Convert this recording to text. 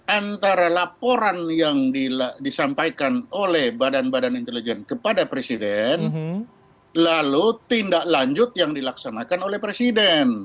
antara laporan yang disampaikan oleh badan badan intelijen kepada presiden lalu tindak lanjut yang dilaksanakan oleh presiden